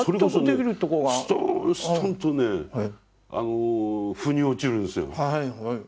それこそねストーンストンとね腑に落ちるんですよ